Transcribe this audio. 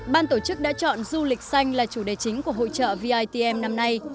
ban tổ chức đã chọn du lịch xanh là chủ đề chính của hội trợ vitm năm nay